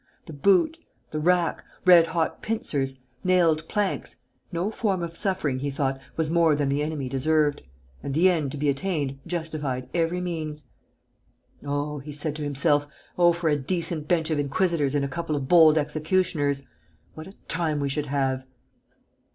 The boot, the rack, red hot pincers, nailed planks: no form of suffering, he thought, was more than the enemy deserved; and the end to be attained justified every means. "Oh," he said to himself, "oh, for a decent bench of inquisitors and a couple of bold executioners!... What a time we should have!"